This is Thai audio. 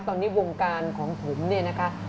ตอนนี้วงการของผมเนี่ยนะคะ